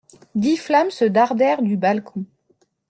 Dix flammes se dardèrent du balcon.